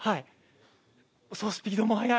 スピードも速い。